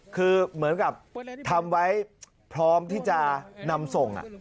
คือเหมือนกับทำไว้พร้อมที่จะนำส่ง